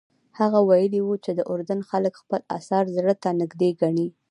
هغه ویلي وو چې د اردن خلک خپل اثار زړه ته نږدې ګڼي.